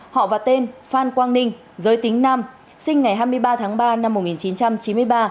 họ và tên phan quang ninh giới tính nam sinh ngày hai mươi ba tháng ba năm một nghìn chín trăm chín mươi ba